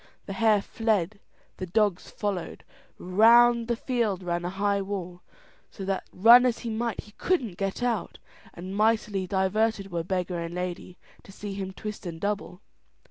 The hare fled, the dogs followed. Round the field ran a high wall, so that run as he might, he couldn't get out, and mightily diverted were beggar and lady to see him twist and double.